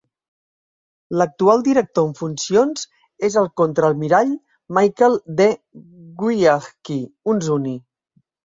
L"actual director en funcions és el Contraalmirall Michael D. Weahkee, un zuni.